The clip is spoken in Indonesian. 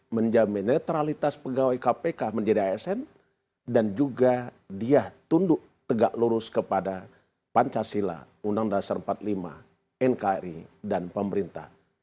menjamin netralitas pegawai kpk menjadi asn dan juga dia tunduk tegak lurus kepada pancasila undang dasar empat puluh lima nkri dan pemerintah